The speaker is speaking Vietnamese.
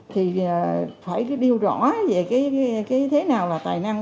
thì phải đeo rõ về cái thế nào là tài năng